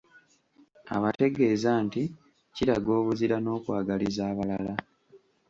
Abategeeza nti kiraga obuzira n'okwagaliza abalala.